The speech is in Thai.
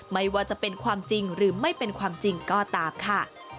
ไม่ว่าจะเป็นความจริงหรือไม่เป็นความจริงก็ตามค่ะ